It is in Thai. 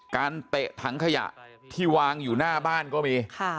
เตะถังขยะที่วางอยู่หน้าบ้านก็มี